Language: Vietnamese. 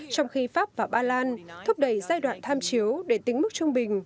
trong khi pháp và ba lan thúc đẩy giai đoạn tham chiếu để tính mức trung bình